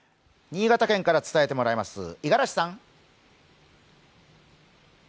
新潟県から伝えてもらいます、五十嵐さん。